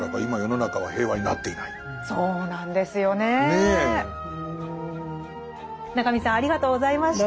中見さんありがとうございました。